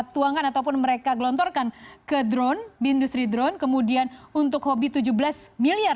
tuangkan ataupun mereka gelontorkan ke drone di industri drone kemudian untuk hobi tujuh belas miliar